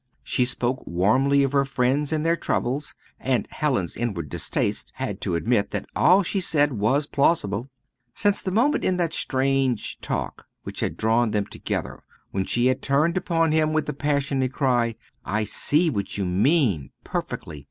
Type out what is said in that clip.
She spoke warmly of her friends and their troubles, and Hallin's inward distaste had to admit that all she said was plausible. Since the moment in that strange talk which had drawn them together, when she had turned upon him with the passionate cry "I see what you mean, perfectly!